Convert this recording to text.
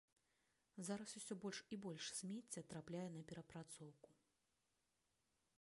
Зараз ўсё больш і больш смецця трапляе на перапрацоўку.